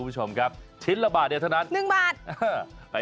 ชิ้นละบาทเท่านั้น